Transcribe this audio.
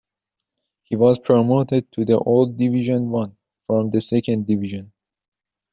He was promoted to the old Division One from the Second Division.